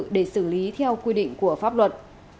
để xử lý theo quy định của pháp luật